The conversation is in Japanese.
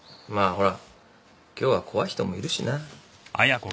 まあほら今日は怖い人もいるしな。